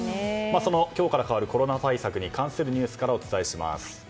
今日から変わるコロナ対策関連のニュースからお伝えします。